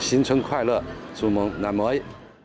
chúc mừng năm mới chúc mừng năm mới